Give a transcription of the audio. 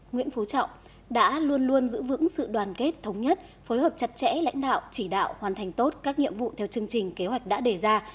nguyễn phú trọng đã luôn luôn giữ vững sự đoàn kết thống nhất phối hợp chặt chẽ lãnh đạo chỉ đạo hoàn thành tốt các nhiệm vụ theo chương trình kế hoạch đã đề ra